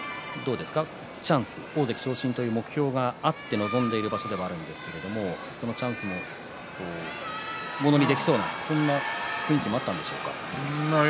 どうですか大関昇進という目標があって臨んでいる場所ですがそのチャンスもものにできそうなそんな雰囲気もあったんでしょうか。